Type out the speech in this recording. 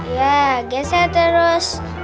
iya geser terus